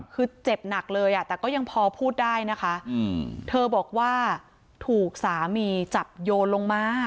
คือเจ็บหนักเลยอ่ะแต่ก็ยังพอพูดได้นะคะเธอบอกว่าถูกสามีจับโยนลงมา